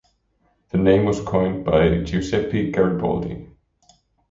The name was coined by Giuseppe Garibaldi.